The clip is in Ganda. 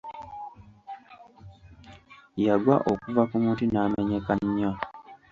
Yagwa okuva ku muti n'amenyeka nnyo.